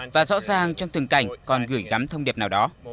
và rõ ràng trong từng cảnh còn gửi gắm thông điệp nào đó